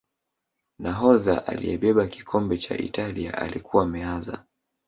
nahodha aliyebeba kikombe cha italia alikuwa Meazza